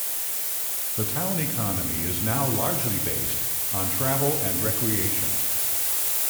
The town economy is now largely based on travel and recreation.